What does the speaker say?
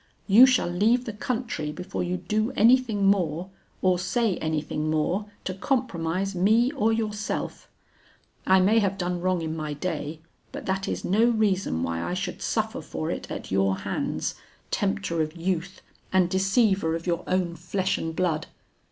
'You shall leave the country before you do anything more, or say anything more, to compromise me or yourself. I may have done wrong in my day, but that is no reason why I should suffer for it at your hands, tempter of youth, and deceiver of your own flesh and blood!